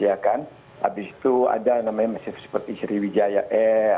habis itu ada seperti sriwijaya air nam air